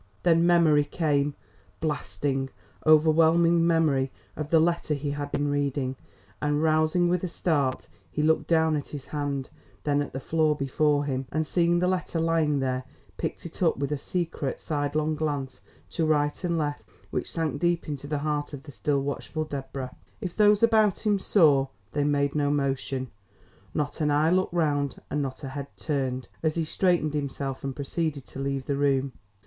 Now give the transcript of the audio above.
Then memory came, blasting, overwhelming memory of the letter he had been reading; and, rousing with a start, he looked down at his hand, then at the floor before him, and, seeing the letter lying there, picked it up with a secret, side long glance to right and left, which sank deep into the heart of the still watchful Deborah. If those about him saw, they made no motion. Not an eye looked round and not a head turned as he straightened himself and proceeded to leave the room.